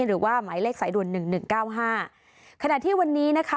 หรือว่าหมายเลขสายด่วนหนึ่งหนึ่งเก้าห้าขณะที่วันนี้นะคะ